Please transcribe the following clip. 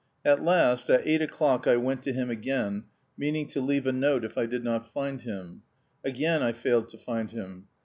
At last, at eight o'clock I went to him again, meaning to leave a note if I did not find him; again I failed to find him.